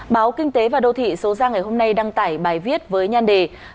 báo kinh tế và đô thị số ra ngày hôm nay đăng tải bài viết với nhan đề